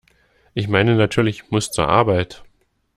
Ich meine natürlich, ich muss zur Arbeit!